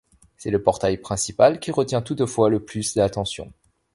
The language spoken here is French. C’est le portail principal qui retient toutefois le plus l’attention.